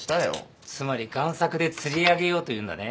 つまり贋作で釣り上げようというんだね？